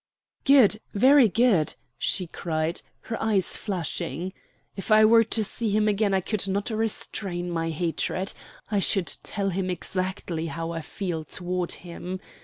"Good, very good!" she cried, her eyes flashing. "If I were to see him again, I could not restrain my hatred. I should tell him exactly how I feel toward him.